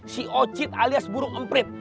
si ocit alias burung emprit